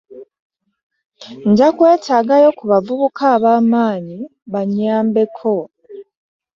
nja kwetaagayo ku bavubuka ab'amaanyi bannyambeko.